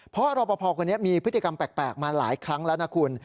เพราะรอปภคนนี้มีพฤติกรรมแปลกมาหลายครั้งแล้วนะคุณ